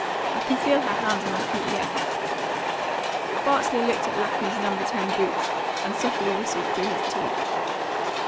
I can feel her hands on my feet yet!" Bartley looked at Lapham's No. 10 boots, and softly whistled through his teeth.